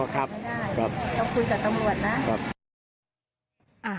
ก็คุยกับตำรวจนะ